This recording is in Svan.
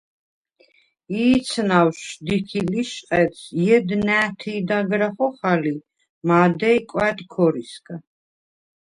ი̄ცნავშ შდიქი ლიშყედს ჲედ ნა̄̈თი̄ დაგრა ხოხალ ი მა̄დეი̄ − კვა̈დ ქორისგა.